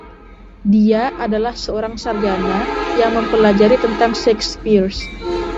Dia adalah seorang sarjana yang mempelajari tentang Shakespeare.